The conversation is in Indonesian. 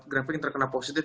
grafik yang terkena positif